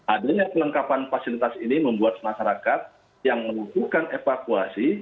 adanya kelengkapan fasilitas ini membuat masyarakat yang melakukan evakuasi